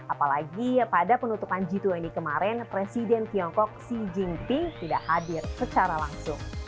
apalagi pada penutupan g dua puluh kemarin presiden tiongkok xi jinping tidak hadir secara langsung